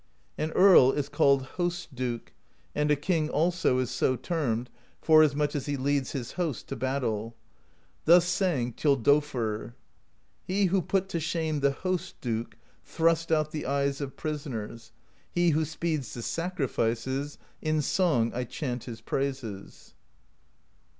An earl is called Host Duke, and a king also is so termed, forasmuch as he leads his host to battle. Thus sang Thjo dolfr: He who put to shame the Host Duke Thrust out the eyes of prisoners, — He who speeds the sacrifices; In song I chant his praises.